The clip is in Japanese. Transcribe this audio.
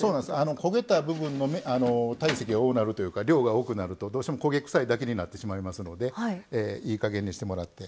焦げた部分の量が多くなるとどうしても焦げ臭いだけになってしまいますのでいい加減にしてもらって。